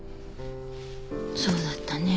そうだったね。